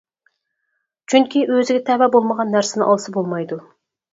چۈنكى ئۆزىگە تەۋە بولمىغان نەرسىنى ئالسا بولمايدۇ.